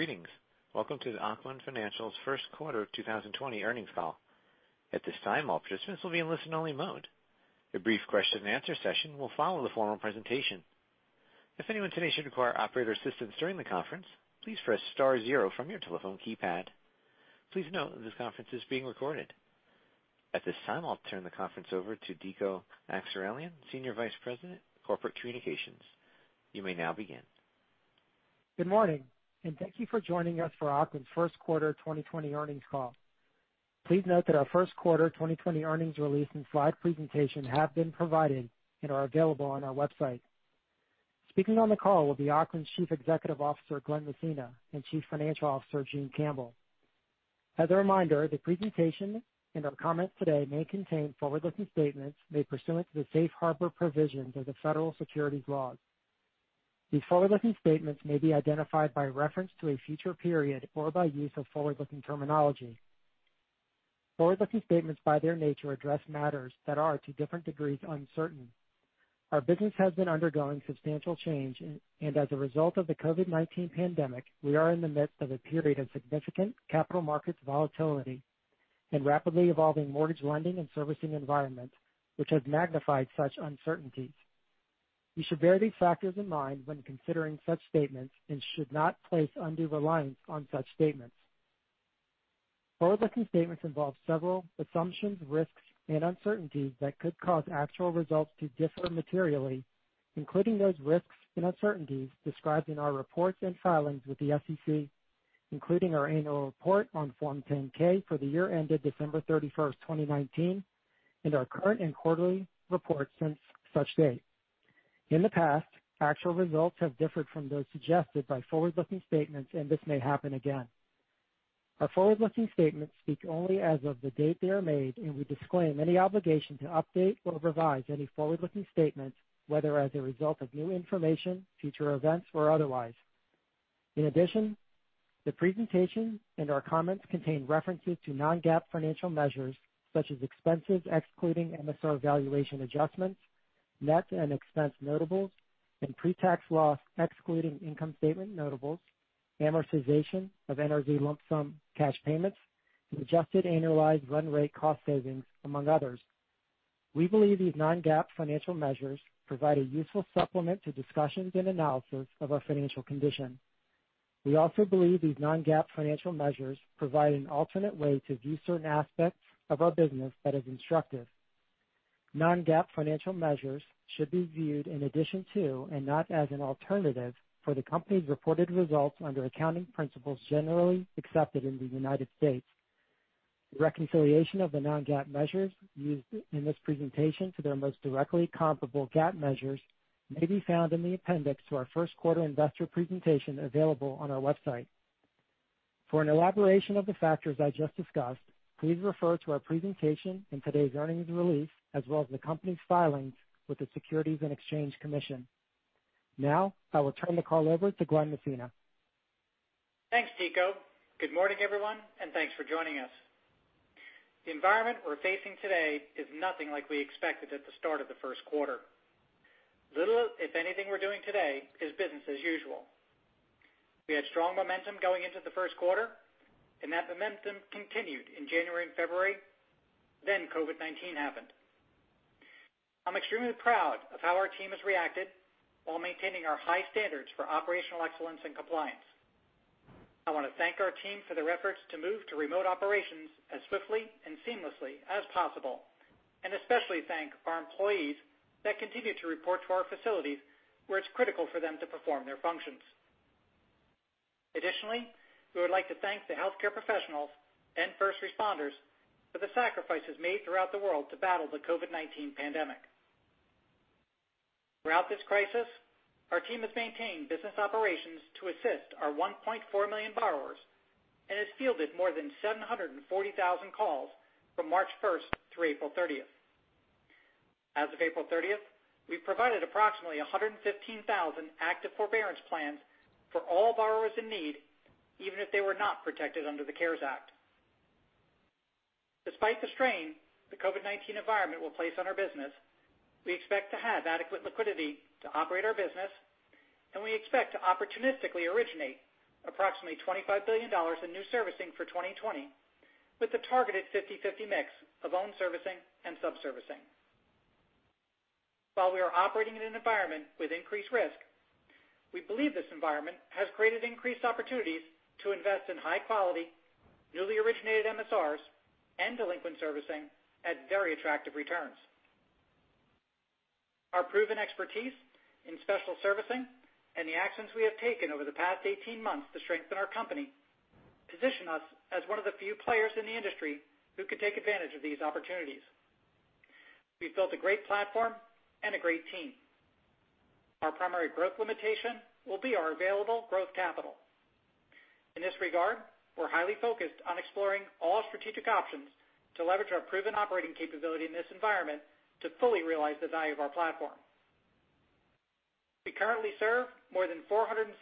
Greetings. Welcome to the Ocwen Financial's First Quarter 2020 Earnings Call. At this time, all participants will be in listen-only mode. A brief question and answer session will follow the formal presentation. If anyone today should require operator assistance during the conference, please press star zero from your telephone keypad. Please note that this conference is being recorded. At this time, I'll turn the conference over to Dico Akseraylian, Senior Vice President of Corporate Communications. You may now begin. Good morning, and thank you for joining us for Ocwen's first quarter 2020 earnings call. Please note that our first quarter 2020 earnings release and slide presentation have been provided and are available on our website. Speaking on the call will be Ocwen's Chief Executive Officer, Glen Messina, and Chief Financial Officer, June Campbell. As a reminder, the presentation and our comments today may contain forward-looking statements made pursuant to the safe harbor provisions of the federal securities laws. These forward-looking statements, by their nature, address matters that are, to different degrees, uncertain. Our business has been undergoing substantial change, and as a result of the COVID-19 pandemic, we are in the midst of a period of significant capital markets volatility and rapidly evolving mortgage lending and servicing environment, which has magnified such uncertainties. You should bear these factors in mind when considering such statements and should not place undue reliance on such statements. Forward-looking statements involve several assumptions, risks, and uncertainties that could cause actual results to differ materially, including those risks and uncertainties described in our reports and filings with the SEC, including our annual report on Form 10-K for the year ended December 31st, 2019, and our current and quarterly reports since such date. In the past, actual results have differed from those suggested by forward-looking statements, and this may happen again. Our forward-looking statements speak only as of the date they are made, and we disclaim any obligation to update or revise any forward-looking statements, whether as a result of new information, future events, or otherwise. In addition, the presentation and our comments contain references to non-GAAP financial measures such as expenses excluding MSR valuation adjustments, net and expense notables, and pre-tax loss excluding income statement notables, amortization of NRZ lump sum cash payments, and adjusted annualized run rate cost savings, among others. We believe these non-GAAP financial measures provide a useful supplement to discussions and analysis of our financial condition. We also believe these non-GAAP financial measures provide an alternate way to view certain aspects of our business that is instructive. Non-GAAP financial measures should be viewed in addition to and not as an alternative for the company's reported results under accounting principles generally accepted in the United States. The reconciliation of the non-GAAP measures used in this presentation to their most directly comparable GAAP measures may be found in the appendix to our first quarter investor presentation available on our website. For an elaboration of the factors I just discussed, please refer to our presentation in today's earnings release, as well as the company's filings with the Securities and Exchange Commission. Now, I will turn the call over to Glen Messina. Thanks, Dico. Good morning, everyone, and thanks for joining us. The environment we're facing today is nothing like we expected at the start of the first quarter. Little, if anything we're doing today is business as usual. We had strong momentum going into the first quarter, and that momentum continued in January and February. COVID-19 happened. I'm extremely proud of how our team has reacted while maintaining our high standards for operational excellence and compliance. I want to thank our team for their efforts to move to remote operations as swiftly and seamlessly as possible, and especially thank our employees that continue to report to our facilities where it's critical for them to perform their functions. Additionally, we would like to thank the healthcare professionals and first responders for the sacrifices made throughout the world to battle the COVID-19 pandemic. Throughout this crisis, our team has maintained business operations to assist our 1.4 million borrowers and has fielded more than 740,000 calls from March 1st to April 30th. As of April 30th, we've provided approximately 115,000 active forbearance plans for all borrowers in need, even if they were not protected under the CARES Act. Despite the strain the COVID-19 environment will place on our business, we expect to have adequate liquidity to operate our business, and we expect to opportunistically originate approximately $25 billion in new servicing for 2020 with a targeted 50/50 mix of own servicing and subservicing. While we are operating in an environment with increased risk, we believe this environment has created increased opportunities to invest in high-quality, newly originated MSRs and delinquent servicing at very attractive returns. Our proven expertise in special servicing and the actions we have taken over the past 18 months to strengthen our company position us as one of the few players in the industry who could take advantage of these opportunities. We've built a great platform and a great team. Our primary growth limitation will be our available growth capital. In this regard, we're highly focused on exploring all strategic options to leverage our proven operating capability in this environment to fully realize the value of our platform. We currently serve more than 460,000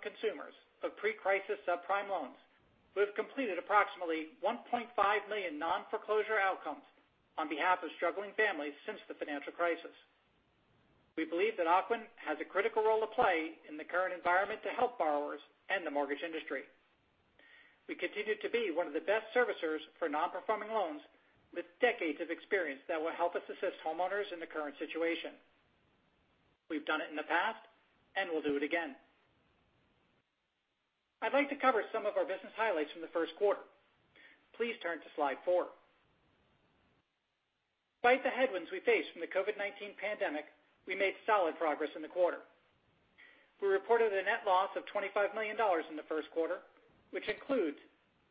consumers of pre-crisis subprime loans. We have completed approximately 1.5 million non-foreclosure outcomes on behalf of struggling families since the financial crisis. We believe that Ocwen has a critical role to play in the current environment to help borrowers and the mortgage industry. We continue to be one of the best servicers for non-performing loans, with decades of experience that will help us assist homeowners in the current situation. We've done it in the past, and we'll do it again. I'd like to cover some of our business highlights from the first quarter. Please turn to slide four. Despite the headwinds we face from the COVID-19 pandemic, we made solid progress in the quarter. We reported a net loss of $25 million in the first quarter, which includes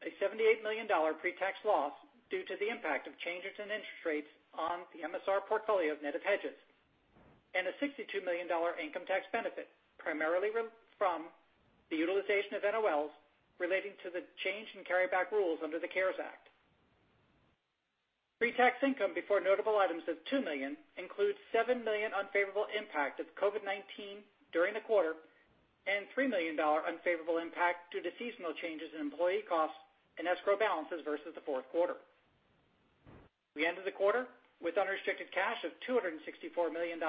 a $78 million pre-tax loss due to the impact of changes in interest rates on the MSR portfolio net of hedges, and a $62 million income tax benefit, primarily from the utilization of NOLs relating to the change in carryback rules under the CARES Act. Pre-tax income before notable items of $2 million includes $7 million unfavorable impact of COVID-19 during the quarter, and $3 million unfavorable impact due to seasonal changes in employee costs and escrow balances versus the fourth quarter. We ended the quarter with unrestricted cash of $264 million,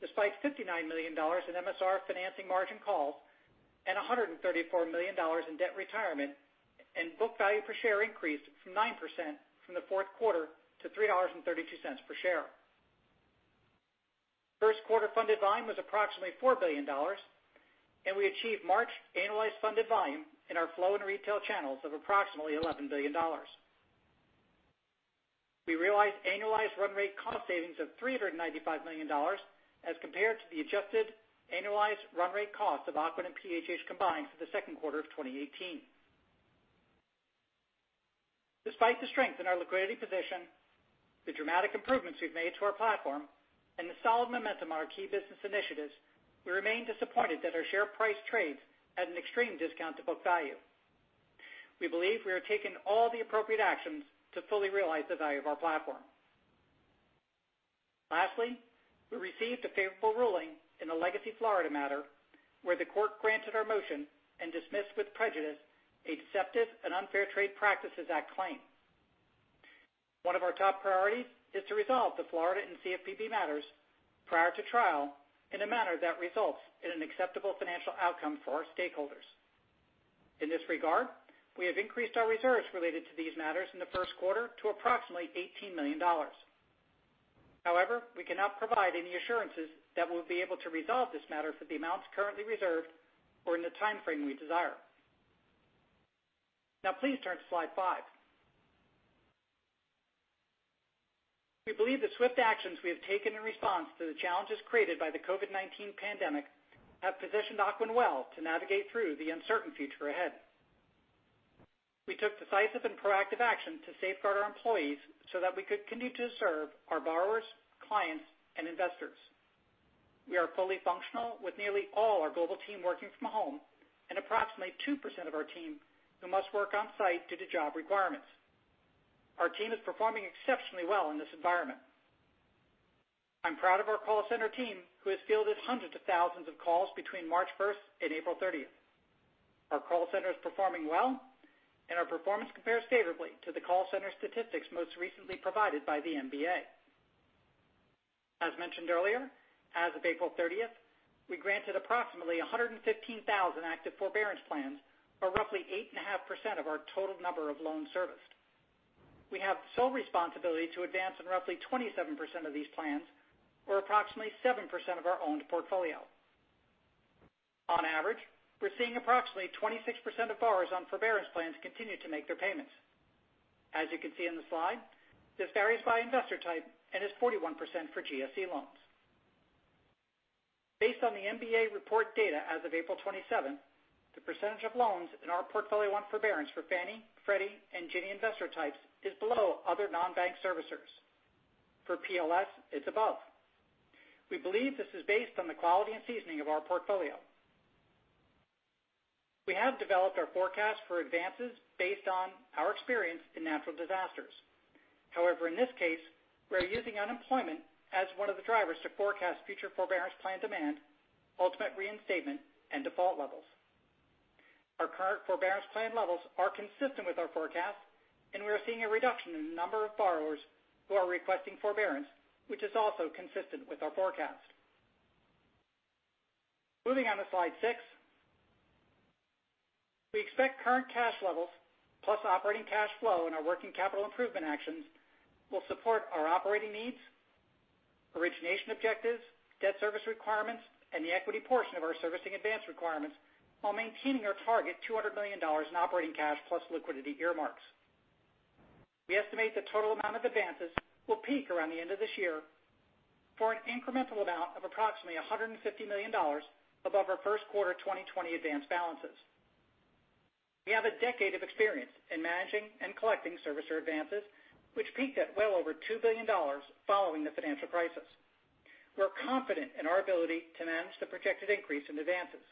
despite $59 million in MSR financing margin calls, and $134 million in debt retirement, and book value per share increased from 9% from the fourth quarter to $3.32 per share. First quarter funded volume was approximately $4 billion, and we achieved March annualized funded volume in our flow and retail channels of approximately $11 billion. We realized annualized run rate cost savings of $395 million as compared to the adjusted annualized run rate cost of Ocwen and PHH combined for the second quarter of 2018. Despite the strength in our liquidity position, the dramatic improvements we've made to our platform, and the solid momentum on our key business initiatives, we remain disappointed that our share price trades at an extreme discount to book value. We believe we are taking all the appropriate actions to fully realize the value of our platform. Lastly, we received a favorable ruling in the legacy Florida matter, where the court granted our motion and dismissed with prejudice a Florida Deceptive and Unfair Trade Practices Act claim. One of our top priorities is to resolve the Florida and CFPB matters prior to trial in a manner that results in an acceptable financial outcome for our stakeholders. In this regard, we have increased our reserves related to these matters in the first quarter to approximately $18 million. We cannot provide any assurances that we'll be able to resolve this matter for the amounts currently reserved or in the timeframe we desire. Please turn to slide five. We believe the swift actions we have taken in response to the challenges created by the COVID-19 pandemic have positioned Ocwen well to navigate through the uncertain future ahead. We took decisive and proactive action to safeguard our employees so that we could continue to serve our borrowers, clients, and investors. We are fully functional with nearly all our global team working from home, approximately 2% of our team who must work on-site due to job requirements. Our team is performing exceptionally well in this environment. I'm proud of our call center team, who has fielded hundreds of thousands of calls between March 1st and April 30th. Our call center is performing well, and our performance compares favorably to the call center statistics most recently provided by the MBA. As mentioned earlier, as of April 30th, we granted approximately 115,000 active forbearance plans or roughly 8.5% of our total number of loans serviced. We have sole responsibility to advance on roughly 27% of these plans or approximately 7% of our owned portfolio. On average, we're seeing approximately 26% of borrowers on forbearance plans continue to make their payments. As you can see in the slide, this varies by investor type and is 41% for GSE loans. Based on the MBA report data as of April 27th, the percentage of loans in our portfolio on forbearance for Fannie, Freddie, and Ginnie investor types is below other non-bank servicers. For PLS, it's above. We believe this is based on the quality and seasoning of our portfolio. We have developed our forecast for advances based on our experience in natural disasters. However, in this case, we are using unemployment as one of the drivers to forecast future forbearance plan demand, ultimate reinstatement, and default levels. Our current forbearance plan levels are consistent with our forecast, and we are seeing a reduction in the number of borrowers who are requesting forbearance, which is also consistent with our forecast. Moving on to slide six. We expect current cash levels plus operating cash flow and our working capital improvement actions will support our operating needs, origination objectives, debt service requirements, and the equity portion of our servicing advance requirements while maintaining our target $200 million in operating cash plus liquidity earmarks. We estimate the total amount of advances will peak around the end of this year for an incremental amount of approximately $150 million above our first quarter 2020 advance balances. We have a decade of experience in managing and collecting servicer advances, which peaked at well over $2 billion following the financial crisis. We're confident in our ability to manage the projected increase in advances.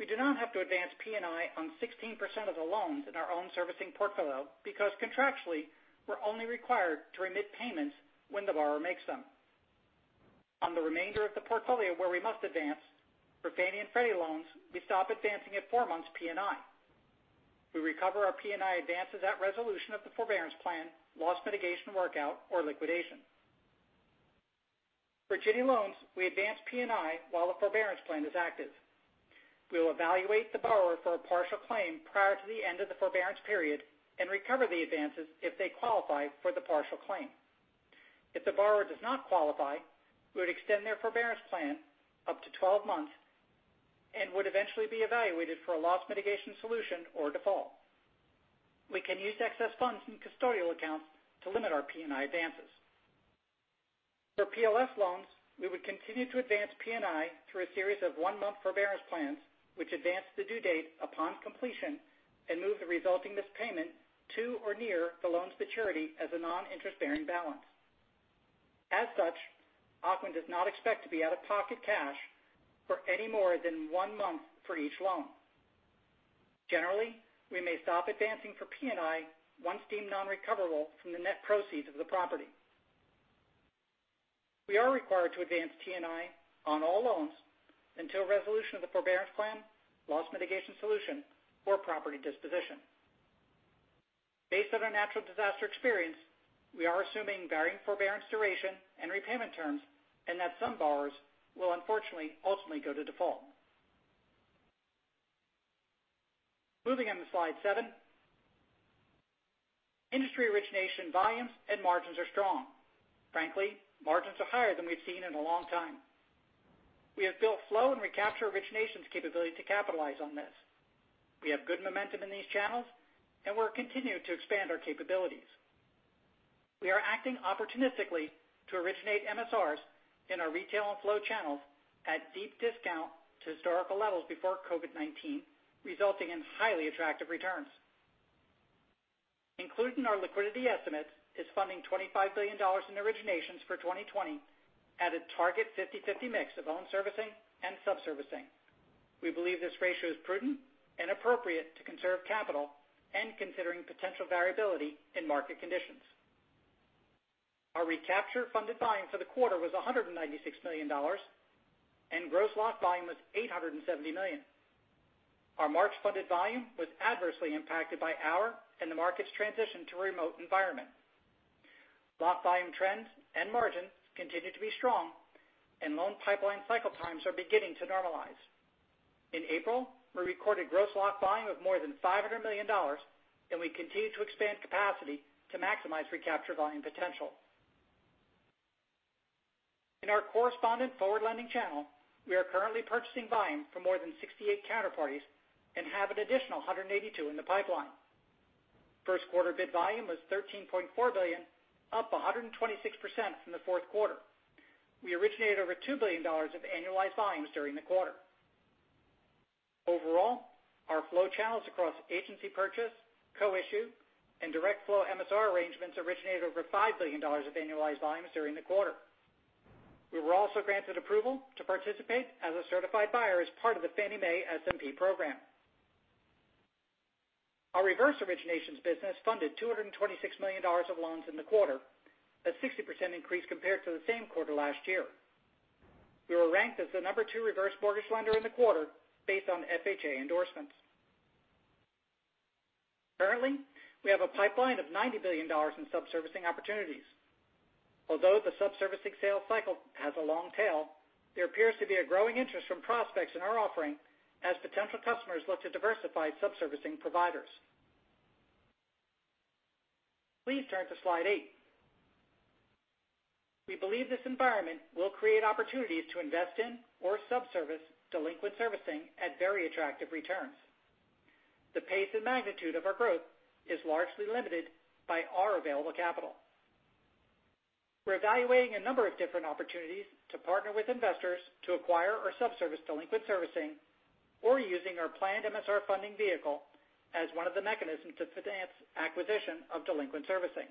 We do not have to advance P&I on 16% of the loans in our own servicing portfolio because contractually, we're only required to remit payments when the borrower makes them. On the remainder of the portfolio where we must advance, for Fannie Mae and Freddie Mac loans, we stop advancing at four months P&I. We recover our P&I advances at resolution of the forbearance plan, loss mitigation workout, or liquidation. For Ginnie loans, we advance P&I while the forbearance plan is active. We will evaluate the borrower for a partial claim prior to the end of the forbearance period and recover the advances if they qualify for the partial claim. If the borrower does not qualify, we would extend their forbearance plan up to 12 months and would eventually be evaluated for a loss mitigation solution or default. We can use excess funds from custodial accounts to limit our P&I advances. For PLS loans, we would continue to advance P&I through a series of one-month forbearance plans, which advance the due date upon completion and move the resulting missed payment to or near the loan's maturity as a non-interest-bearing balance. As such, Ocwen does not expect to be out-of-pocket cash for any more than one month for each loan. Generally, we may stop advancing for P&I once deemed non-recoverable from the net proceeds of the property. We are required to advance P&I on all loans until resolution of the forbearance plan, loss mitigation solution, or property disposition. Based on our natural disaster experience, we are assuming varying forbearance duration and repayment terms and that some borrowers will unfortunately ultimately go to default. Moving on to slide seven. Industry origination volumes and margins are strong. Frankly, margins are higher than we've seen in a long time. We have built flow and recapture originations capability to capitalize on this. We have good momentum in these channels, and we're continuing to expand our capabilities. We are acting opportunistically to originate MSRs in our retail and flow channels at deep discount to historical levels before COVID-19, resulting in highly attractive returns. Included in our liquidity estimates is funding $25 billion in originations for 2020 at a target 50/50 mix of own servicing and subservicing. We believe this ratio is prudent and appropriate to conserve capital and considering potential variability in market conditions. Our recapture funded volume for the quarter was $196 million, and gross lock volume was $870 million. Our March funded volume was adversely impacted by our and the market's transition to a remote environment. Lock volume trends and margins continue to be strong, and loan pipeline cycle times are beginning to normalize. In April, we recorded gross lock volume of more than $500 million, and we continue to expand capacity to maximize recapture volume potential. In our correspondent forward lending channel, we are currently purchasing volume from more than 68 counterparties and have an additional 182 in the pipeline. First quarter bid volume was $13.4 billion, up 126% from the fourth quarter. We originated over $2 billion of annualized volumes during the quarter. Overall, our flow channels across agency purchase, co-issue, and direct flow MSR arrangements originated over $5 billion of annualized volumes during the quarter. We were also granted approval to participate as a certified buyer as part of the Fannie Mae SMP program. Our reverse originations business funded $226 million of loans in the quarter, a 60% increase compared to the same quarter last year. We were ranked as the number two reverse mortgage lender in the quarter based on FHA endorsements. Currently, we have a pipeline of $90 billion in subservicing opportunities. Although the subservicing sales cycle has a long tail, there appears to be a growing interest from prospects in our offering as potential customers look to diversify subservicing providers. Please turn to slide eight. We believe this environment will create opportunities to invest in or subservice delinquent servicing at very attractive returns. The pace and magnitude of our growth is largely limited by our available capital. We're evaluating a number of different opportunities to partner with investors to acquire or subservice delinquent servicing or using our planned MSR funding vehicle as one of the mechanisms to finance acquisition of delinquent servicing.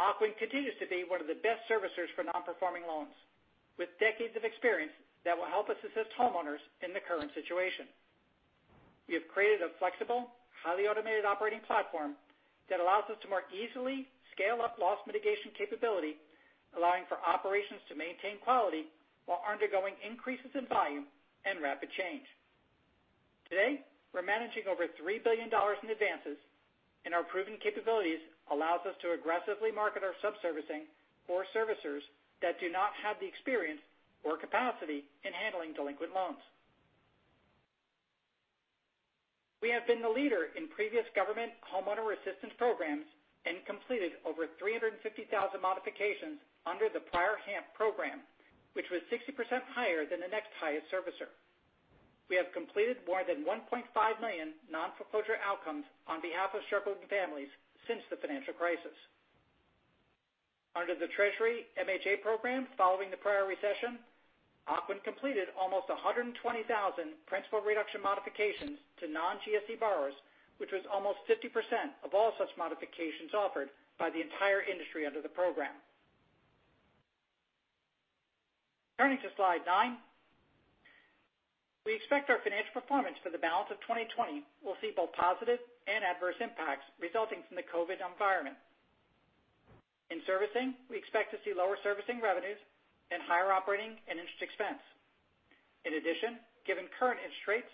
Ocwen continues to be one of the best servicers for non-performing loans, with decades of experience that will help us assist homeowners in the current situation. We have created a flexible, highly automated operating platform that allows us to more easily scale up loss mitigation capability, allowing for operations to maintain quality while undergoing increases in volume and rapid change. Today, we're managing over $3 billion in advances, our proven capabilities allows us to aggressively market our subservicing for servicers that do not have the experience or capacity in handling delinquent loans. We have been the leader in previous government homeowner assistance programs and completed over 350,000 modifications under the prior HAMP program, which was 60% higher than the next highest servicer. We have completed more than 1.5 million non-foreclosure outcomes on behalf of struggling families since the financial crisis. Under the Treasury MHA program following the prior recession, Ocwen completed almost 120,000 principal reduction modifications to non-GSE borrowers, which was almost 50% of all such modifications offered by the entire industry under the program. Turning to slide nine. We expect our financial performance for the balance of 2020 will see both positive and adverse impacts resulting from the COVID environment. In servicing, we expect to see lower servicing revenues and higher operating and interest expense. In addition, given current interest rates,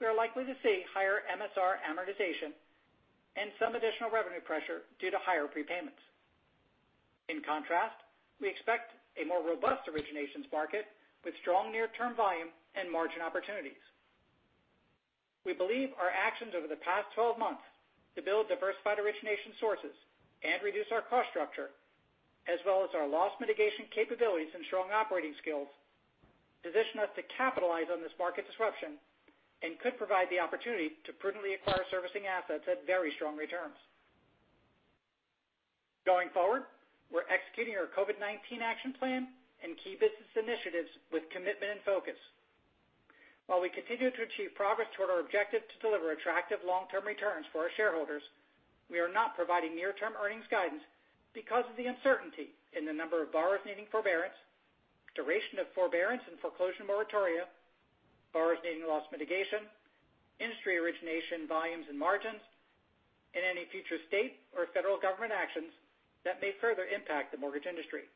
we are likely to see higher MSR amortization and some additional revenue pressure due to higher prepayments. In contrast, we expect a more robust originations market with strong near-term volume and margin opportunities. We believe our actions over the past 12 months to build diversified origination sources and reduce our cost structure, as well as our loss mitigation capabilities and strong operating skills, position us to capitalize on this market disruption and could provide the opportunity to prudently acquire servicing assets at very strong returns. Going forward, we're executing our COVID-19 action plan and key business initiatives with commitment and focus. While we continue to achieve progress toward our objective to deliver attractive long-term returns for our shareholders, we are not providing near-term earnings guidance because of the uncertainty in the number of borrowers needing forbearance, duration of forbearance and foreclosure moratoria, borrowers needing loss mitigation, industry origination volumes and margins, and any future state or federal government actions that may further impact the mortgage industry.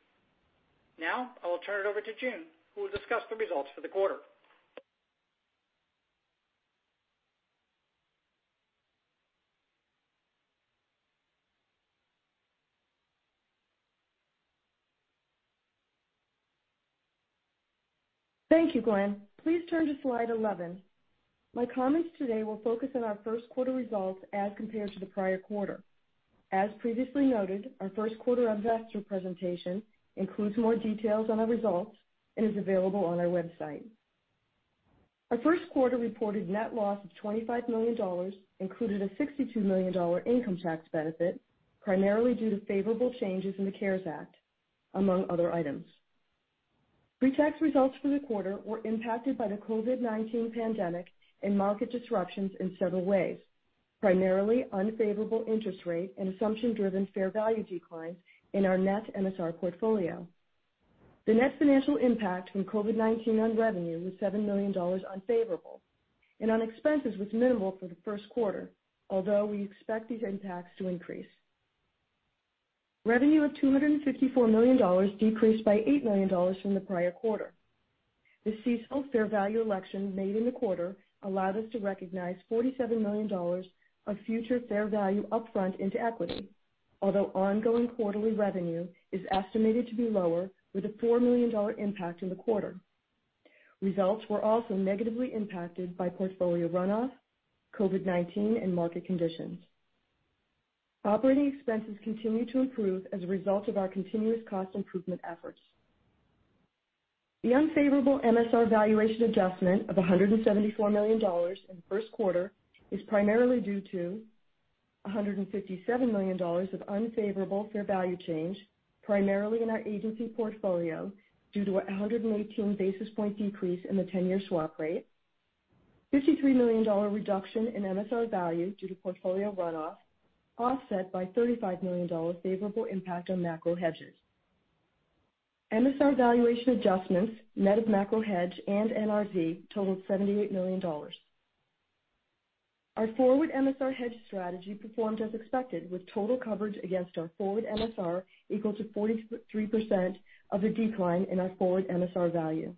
Now, I will turn it over to June, who will discuss the results for the quarter. Thank you, Glen. Please turn to slide 11. My comments today will focus on our first quarter results as compared to the prior quarter. As previously noted, our first quarter investor presentation includes more details on our results and is available on our website. Our first quarter reported net loss of $25 million included a $62 million income tax benefit, primarily due to favorable changes in the CARES Act, among other items. Pre-tax results for the quarter were impacted by the COVID-19 pandemic and market disruptions in several ways, primarily unfavorable interest rate and assumption-driven fair value declines in our net MSR portfolio. The net financial impact from COVID-19 on revenue was $7 million unfavorable and on expenses was minimal for the first quarter, although we expect these impacts to increase. Revenue of $254 million decreased by $8 million from the prior quarter. The CECL fair value election made in the quarter allowed us to recognize $47 million of future fair value upfront into equity. Ongoing quarterly revenue is estimated to be lower with a $4 million impact in the quarter. Results were also negatively impacted by portfolio runoff, COVID-19, and market conditions. Operating expenses continue to improve as a result of our continuous cost improvement efforts. The unfavorable MSR valuation adjustment of $174 million in the first quarter is primarily due to $157 million of unfavorable fair value change, primarily in our agency portfolio due to a 118 basis point decrease in the 10-year swap rate, $53 million reduction in MSR value due to portfolio runoff, offset by $35 million favorable impact on macro hedges. MSR valuation adjustments, net of macro hedge and NRZ totaled $78 million. Our forward MSR hedge strategy performed as expected with total coverage against our forward MSR equal to 43% of the decline in our forward MSR value.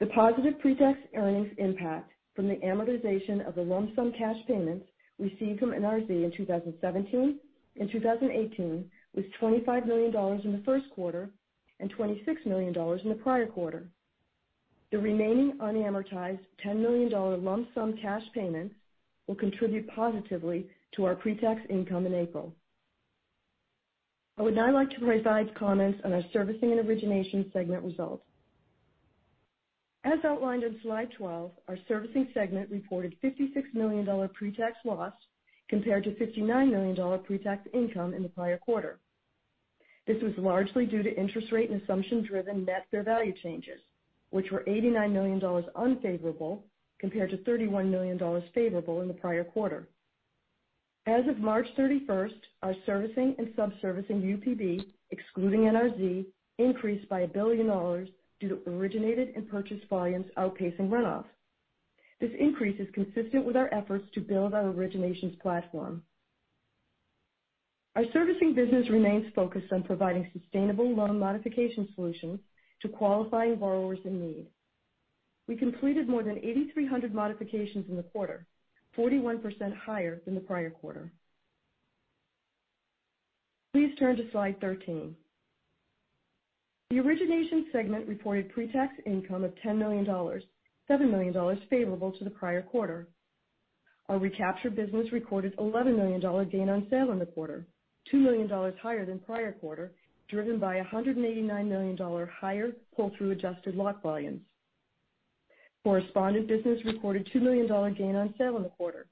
The positive pre-tax earnings impact from the amortization of the lump sum cash payments received from NRZ in 2017 and 2018 was $25 million in the first quarter and $26 million in the prior quarter. The remaining unamortized $10 million lump sum cash payments will contribute positively to our pre-tax income in April. I would now like to provide comments on our servicing and origination segment results. As outlined on slide 12, our servicing segment reported $56 million pre-tax loss compared to $59 million pre-tax income in the prior quarter. This was largely due to interest rate and assumption-driven net fair value changes, which were $89 million unfavorable compared to $31 million favorable in the prior quarter. As of March 31st, our servicing and subservicing UPB, excluding NRZ, increased by $1 billion due to originated and purchased volumes outpacing runoff. This increase is consistent with our efforts to build our originations platform. Our servicing business remains focused on providing sustainable loan modification solutions to qualifying borrowers in need. We completed more than 8,300 modifications in the quarter, 41% higher than the prior quarter. Please turn to slide 13. The origination segment reported pre-tax income of $10 million, $7 million favorable to the prior quarter. Our recapture business recorded $11 million gain on sale in the quarter, $2 million higher than prior quarter, driven by $189 million higher pull-through adjusted lock volumes. Correspondent business recorded $2 million gain on sale in the quarter,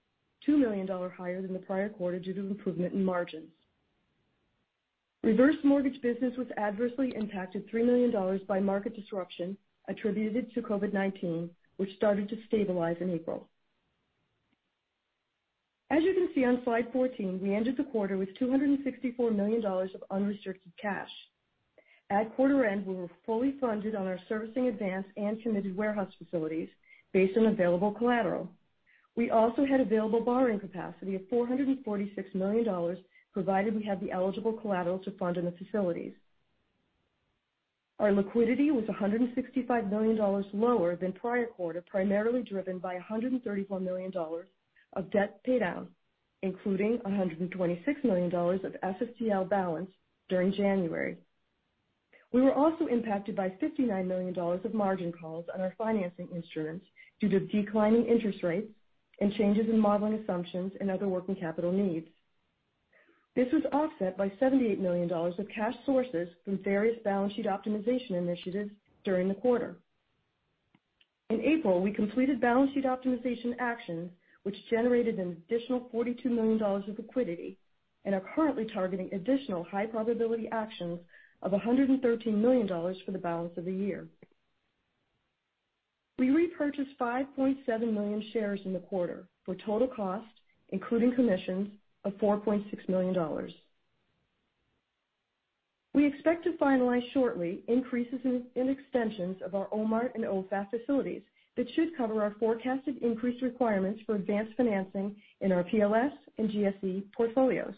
$2 million higher than the prior quarter due to improvement in margins. Reverse mortgage business was adversely impacted $3 million by market disruption attributed to COVID-19, which started to stabilize in April. As you can see on slide 14, we ended the quarter with $264 million of unrestricted cash. At quarter end, we were fully funded on our servicing advance and committed warehouse facilities based on available collateral. We also had available borrowing capacity of $446 million, provided we have the eligible collateral to fund in the facilities. Our liquidity was $165 million lower than prior quarter, primarily driven by $134 million of debt paydown, including $126 million of SSTL balance during January. We were also impacted by $59 million of margin calls on our financing insurance due to declining interest rates and changes in modeling assumptions and other working capital needs. This was offset by $78 million of cash sources from various balance sheet optimization initiatives during the quarter. In April, we completed balance sheet optimization actions, which generated an additional $42 million of liquidity and are currently targeting additional high-probability actions of $113 million for the balance of the year. We repurchased 5.7 million shares in the quarter for a total cost, including commissions, of $4.6 million. We expect to finalize shortly increases in extensions of our OMART and OFAF facilities that should cover our forecasted increased requirements for advanced financing in our PLS and GSE portfolios.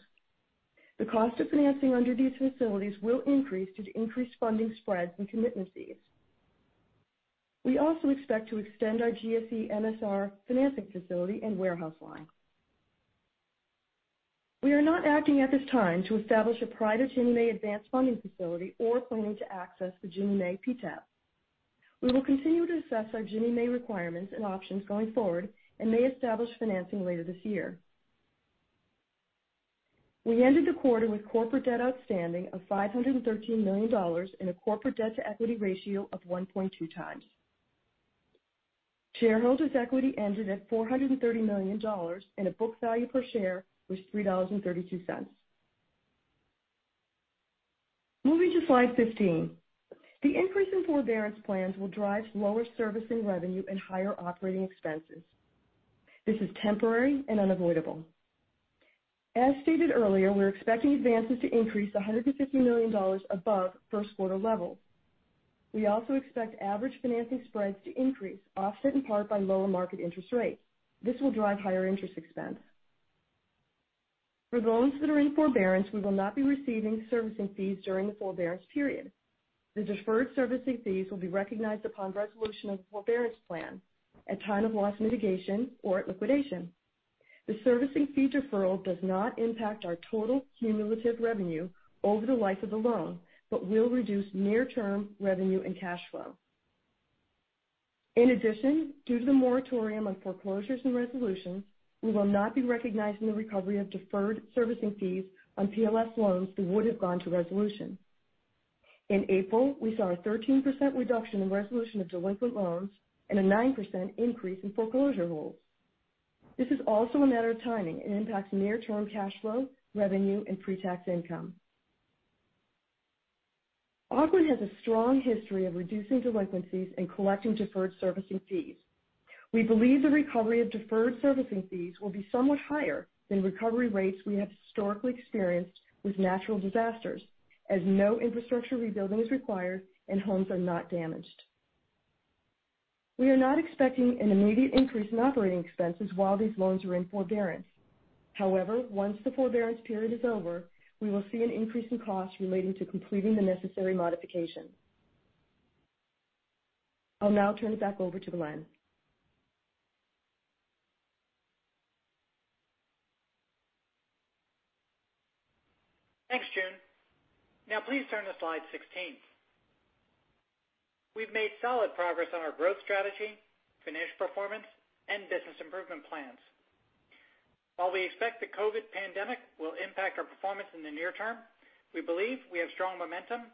The cost of financing under these facilities will increase due to increased funding spreads and commitments. We also expect to extend our GSE MSR financing facility and warehouse line. We are not acting at this time to establish a private Ginnie Mae advance funding facility or planning to access the Ginnie Mae PTAP. We will continue to assess our Ginnie Mae requirements and options going forward and may establish financing later this year. We ended the quarter with corporate debt outstanding of $513 million and a corporate debt to equity ratio of 1.2 times. Shareholders' equity ended at $430 million and a book value per share was $3.32. Moving to slide 15. The increase in forbearance plans will drive lower servicing revenue and higher operating expenses. This is temporary and unavoidable. As stated earlier, we're expecting advances to increase $150 million above first quarter levels. We expect average financing spreads to increase, offset in part by lower market interest rates. This will drive higher interest expense. For loans that are in forbearance, we will not be receiving servicing fees during the forbearance period. The deferred servicing fees will be recognized upon resolution of the forbearance plan at time of loss mitigation or at liquidation. The servicing fee deferral does not impact our total cumulative revenue over the life of the loan but will reduce near-term revenue and cash flow. In addition, due to the moratorium on foreclosures and resolutions, we will not be recognizing the recovery of deferred servicing fees on PLS loans that would have gone to resolution. In April, we saw a 13% reduction in resolution of delinquent loans and a 9% increase in foreclosure holds. This is also a matter of timing and impacts near-term cash flow, revenue, and pre-tax income. Ocwen has a strong history of reducing delinquencies and collecting deferred servicing fees. We believe the recovery of deferred servicing fees will be somewhat higher than recovery rates we have historically experienced with natural disasters, as no infrastructure rebuilding is required and homes are not damaged. We are not expecting an immediate increase in operating expenses while these loans are in forbearance. However, once the forbearance period is over, we will see an increase in costs relating to completing the necessary modifications. I'll now turn it back over to Glen. Thanks, June. Now please turn to slide 16. We've made solid progress on our growth strategy, financial performance, and business improvement plans. While we expect the COVID pandemic will impact our performance in the near term, we believe we have strong momentum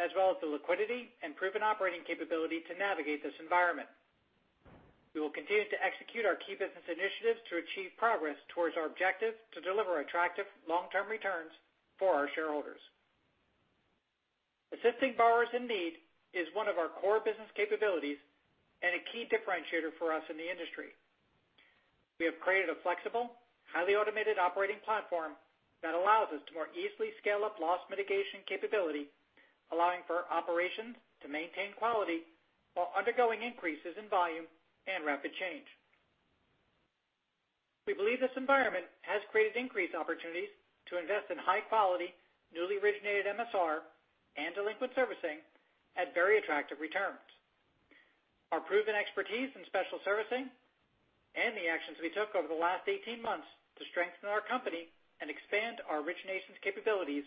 as well as the liquidity and proven operating capability to navigate this environment. We will continue to execute our key business initiatives to achieve progress towards our objective to deliver attractive long-term returns for our shareholders. Assisting borrowers in need is one of our core business capabilities and a key differentiator for us in the industry. We have created a flexible, highly automated operating platform that allows us to more easily scale up loss mitigation capability, allowing for operations to maintain quality while undergoing increases in volume and rapid change. We believe this environment has created increased opportunities to invest in high-quality, newly originated MSR and delinquent servicing at very attractive returns. Our proven expertise in special servicing and the actions we took over the last 18 months to strengthen our company and expand our originations capabilities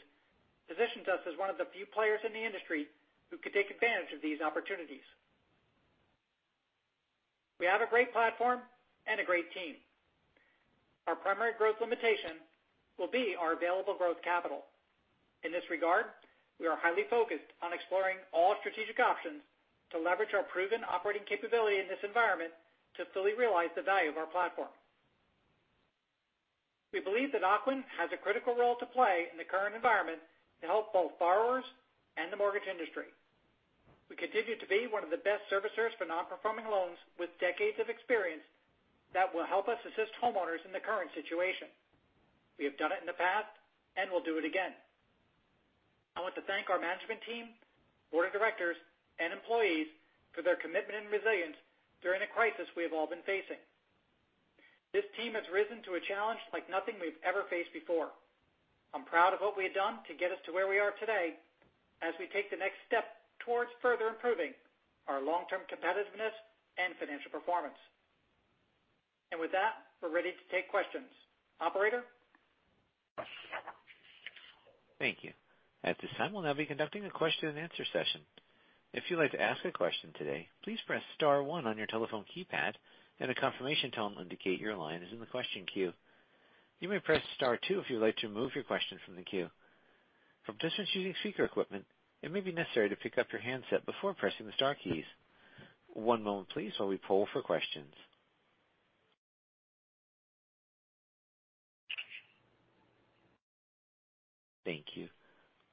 positions us as one of the few players in the industry who can take advantage of these opportunities. We have a great platform and a great team. Our primary growth limitation will be our available growth capital. In this regard, we are highly focused on exploring all strategic options to leverage our proven operating capability in this environment to fully realize the value of our platform. We believe that Ocwen has a critical role to play in the current environment to help both borrowers and the mortgage industry. We continue to be one of the best servicers for non-performing loans with decades of experience that will help us assist homeowners in the current situation. We have done it in the past, we'll do it again. I want to thank our management team, board of directors, and employees for their commitment and resilience during the crisis we have all been facing. This team has risen to a challenge like nothing we've ever faced before. I'm proud of what we have done to get us to where we are today as we take the next step towards further improving our long-term competitiveness and financial performance. With that, we're ready to take questions. Operator? Thank you. At this time, we'll now be conducting a question-and-answer session. If you'd like to ask a question today, please press star one on your telephone keypad, and a confirmation tone will indicate your line is in the question queue. You may press star two if you'd like to remove your question from the queue. For participants using speaker equipment, it may be necessary to pick up your handset before pressing the star keys. One moment, please, while we poll for questions. Thank you.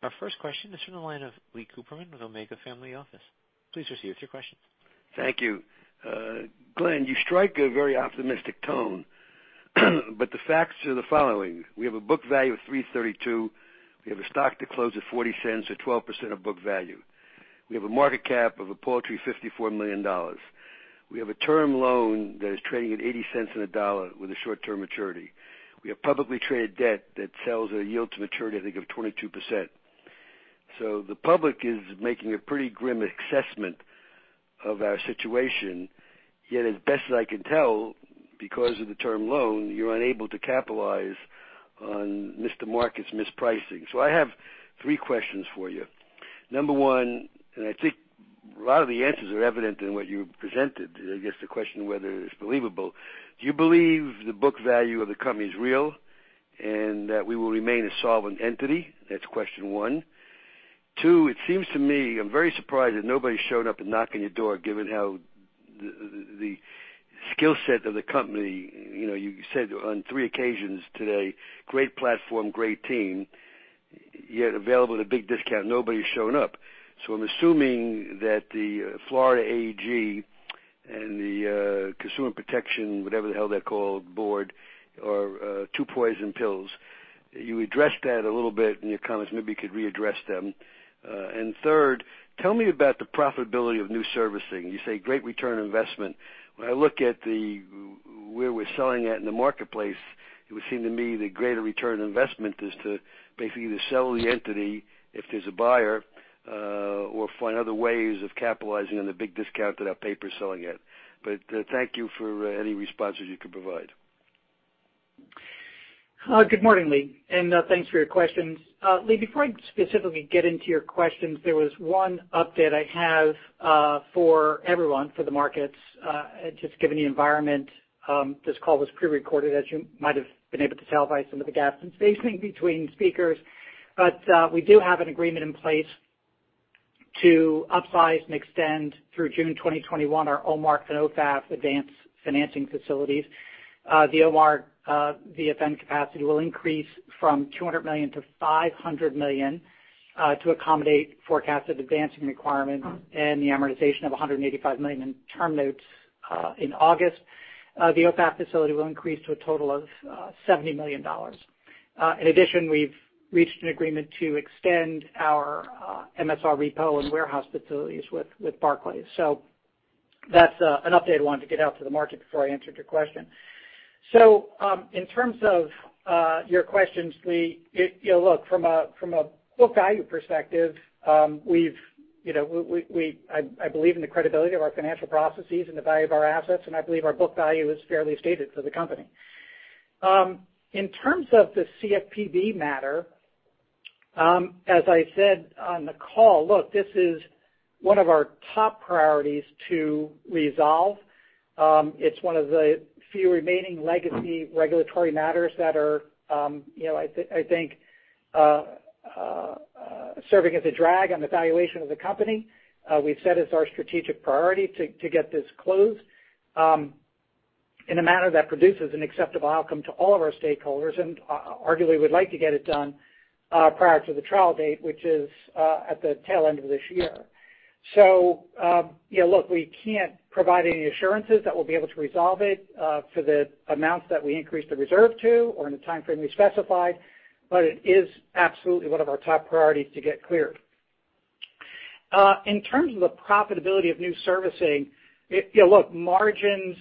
Our first question is from the line of Lee Cooperman with Omega Family Office. Please proceed with your question. Thank you. Glen, you strike a very optimistic tone. The facts are the following. We have a book value of $3.32. We have a stock that closed at $0.40 or 12% of book value. We have a market cap of a paltry $54 million. We have a term loan that is trading at $0.80 on the dollar with a short-term maturity. We have publicly traded debt that sells at a yield to maturity, I think, of 22%. The public is making a pretty grim assessment of our situation. As best as I can tell, because of the term loan, you're unable to capitalize on missed the market's mispricing. I have three questions for you. Number one, I think a lot of the answers are evident in what you presented. I guess the question is whether it's believable. Do you believe the book value of the company is real and that we will remain a solvent entity? That's question one. It seems to me, I'm very surprised that nobody's shown up and knocking on your door, given how the skill set of the company. You said on three occasions today, great platform, great team, yet available at a big discount. Nobody's shown up. I'm assuming that the Florida AG and the consumer protection, whatever the hell they're called, board, are two poison pills. You addressed that a little bit in your comments. Maybe you could readdress them. Third, tell me about the profitability of new servicing. You say great return on investment. When I look at where we're selling at in the marketplace, it would seem to me the greater return on investment is to basically either sell the entity if there's a buyer or find other ways of capitalizing on the big discount that our paper's selling at. Thank you for any responses you can provide. Good morning, Lee. Thanks for your questions. Lee, before I specifically get into your questions, there was one update I have for everyone, for the markets. Just given the environment, this call was pre-recorded, as you might have been able to tell by some of the gaps in spacing between speakers. We do have an agreement in place to upsize and extend through June 2021 our OMART and OFAF advance financing facilities. The OMART VFN capacity will increase from $200 million to $500 million to accommodate forecasted advancing requirements and the amortization of $185 million in term notes in August. The OFAF facility will increase to a total of $70 million. In addition, we've reached an agreement to extend our MSR repo and warehouse facilities with Barclays. That's an update I wanted to get out to the market before I answered your question. In terms of your questions, Lee, look, from a book value perspective, I believe in the credibility of our financial processes and the value of our assets, and I believe our book value is fairly stated for the company. In terms of the CFPB matter, as I said on the call. Look, this is one of our top priorities to resolve. It's one of the few remaining legacy regulatory matters that are, I think, serving as a drag on the valuation of the company. We've said it's our strategic priority to get this closed in a manner that produces an acceptable outcome to all of our stakeholders, and arguably, we'd like to get it done prior to the trial date, which is at the tail end of this year. Look, we can't provide any assurances that we'll be able to resolve it for the amounts that we increased the reserve to or in the timeframe we specified, but it is absolutely one of our top priorities to get cleared. In terms of the profitability of new servicing. Look, margins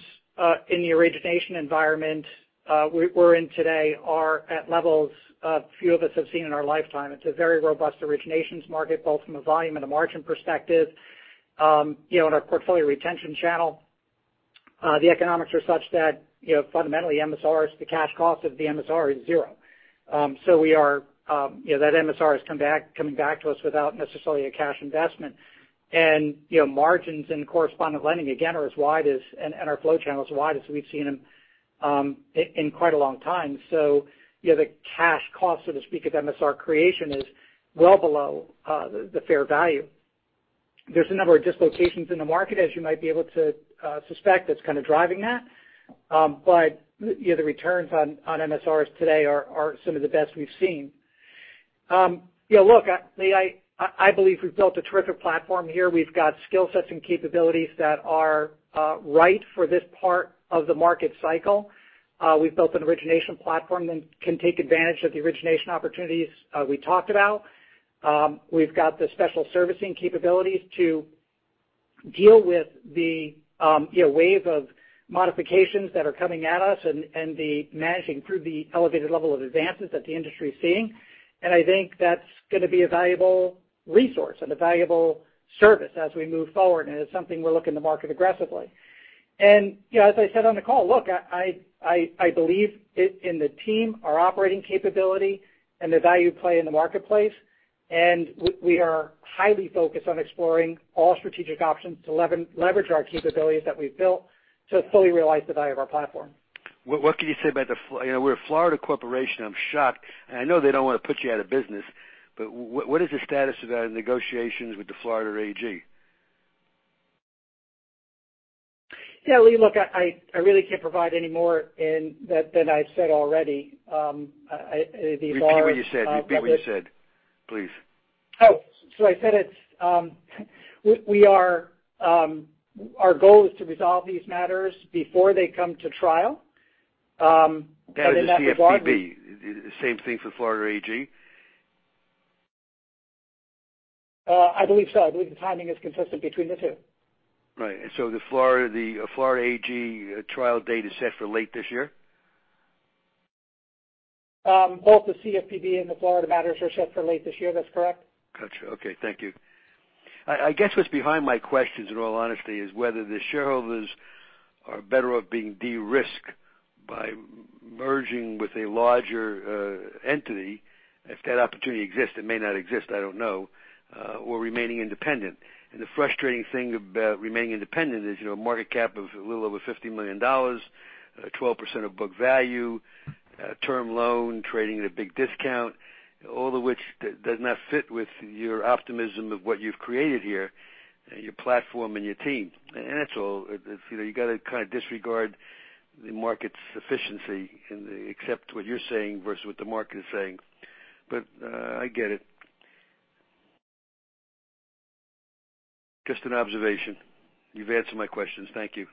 in the origination environment we're in today are at levels few of us have seen in our lifetime. It's a very robust originations market, both from a volume and a margin perspective. In our portfolio retention channel, the economics are such that fundamentally, MSRs, the cash cost of the MSR is zero. That MSR is coming back to us without necessarily a cash investment. Margins in correspondent lending, again, and our flow channel is as wide as we've seen them in quite a long time. The cash cost, so to speak, of MSR creation is well below the fair value. There's a number of dislocations in the market, as you might be able to suspect, that's kind of driving that. The returns on MSRs today are some of the best we've seen. Look, Lee, I believe we've built a terrific platform here. We've got skill sets and capabilities that are right for this part of the market cycle. We've built an origination platform that can take advantage of the origination opportunities we talked about. We've got the special servicing capabilities to deal with the wave of modifications that are coming at us and the managing through the elevated level of advances that the industry is seeing. I think that's going to be a valuable resource and a valuable service as we move forward. It's something we're looking to market aggressively. As I said on the call, look, I believe in the team, our operating capability, and the value play in the marketplace. We are highly focused on exploring all strategic options to leverage our capabilities that we've built to fully realize the value of our platform. We're a Florida corporation. I'm shocked, and I know they don't want to put you out of business, but what is the status of the negotiations with the Florida AG? Lee, look, I really can't provide any more than I've said already. The Florida- Repeat what you said, please. I said our goal is to resolve these matters before they come to trial. That is the CFPB. The same thing for the Florida AG? I believe so. I believe the timing is consistent between the two. Right. The Florida AG trial date is set for late this year? Both the CFPB and the Florida matters are set for late this year. That's correct. Got you. Okay. Thank you. I guess what's behind my questions, in all honesty, is whether the shareholders are better off being de-risked by merging with a larger entity, if that opportunity exists, it may not exist, I don't know, or remaining independent. The frustrating thing about remaining independent is a market cap of a little over $50 million, 12% of book value, term loan trading at a big discount, all of which does not fit with your optimism of what you've created here, your platform and your team. That's all. You've got to kind of disregard the market's efficiency and accept what you're saying versus what the market is saying. I get it. Just an observation. You've answered my questions. Thank you.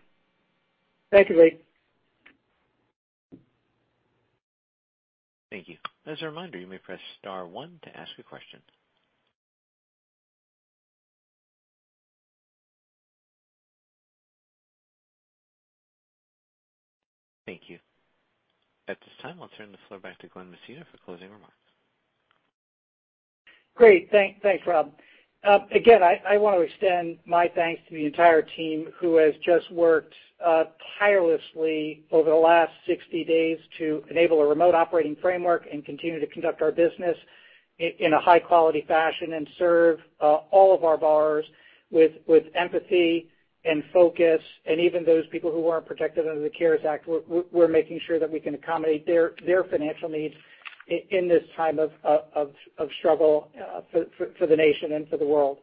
Thank you, Lee. Thank you. As a reminder, you may press star one to ask a question. Thank you. At this time, I'll turn the floor back to Glen Messina for closing remarks. Great. Thanks, Rob. I want to extend my thanks to the entire team who has just worked tirelessly over the last 60 days to enable a remote operating framework and continue to conduct our business in a high-quality fashion and serve all of our borrowers with empathy and focus, and even those people who aren't protected under the CARES Act. We're making sure that we can accommodate their financial needs in this time of struggle for the nation and for the world.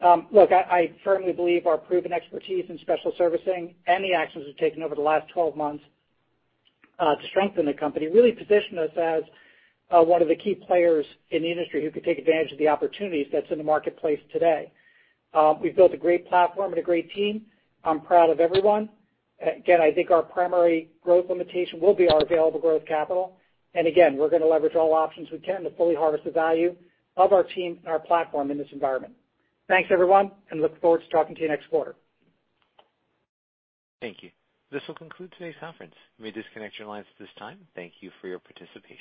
I firmly believe our proven expertise in special servicing and the actions we've taken over the last 12 months to strengthen the company really position us as one of the key players in the industry who can take advantage of the opportunities that's in the marketplace today. We've built a great platform and a great team. I'm proud of everyone. I think our primary growth limitation will be our available growth capital. Again, we're going to leverage all options we can to fully harvest the value of our team and our platform in this environment. Thanks, everyone, and look forward to talking to you next quarter. Thank you. This will conclude today's conference. You may disconnect your lines at this time. Thank you for your participation.